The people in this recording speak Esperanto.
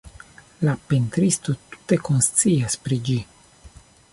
La pentristo tute konscias pri ĝi.